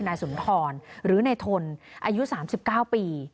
นายสุนทรหรือนายทนอายุ๓๙ปี